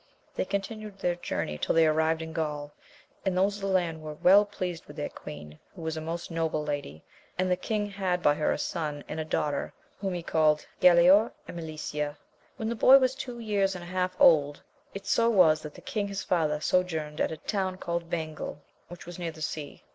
They continued their journey till they arrived in Gaul, and those of the land were well pleased with their queen, who was a most noble lady, and the king had by her a son and a daughter, whom he called Galaor and Melicia. When the boy was two years and a half old, it so was, that the king his father sojourned at a town called Bangil, which was near the sea.